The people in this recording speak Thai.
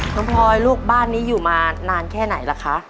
พลอยลูกบ้านนี้อยู่มานานแค่ไหนล่ะคะ